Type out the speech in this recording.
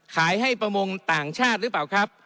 ขายให้ประมงต่างชาติหรือเปล่าครับ